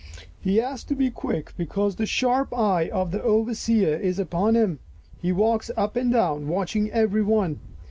He has to be quick because the sharp eye of the overseer is upon him. He walks up and down, watching every one.